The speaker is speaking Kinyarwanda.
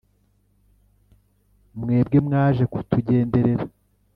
mwebwe mwaje kutugenderera.